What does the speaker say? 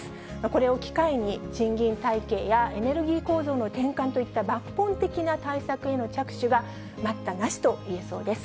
これを機会に、賃金体系や、エネルギー構造の転換といった抜本的な対策への着手が待ったなしといえそうです。